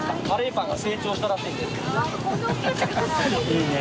いいね。